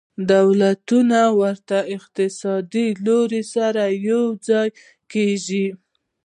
دولتونه د ورته اقتصادي لورو سره یوځای کیږي